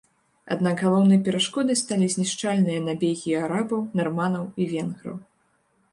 Аднак галоўнай перашкодай сталі знішчальныя набегі арабаў, нарманаў і венграў.